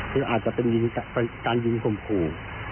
ทางยิงกฏหมู่